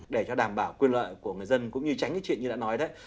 để cho đảm bảo quyền lợi của người dân cũng như tránh cái chuyện như đã nói đấy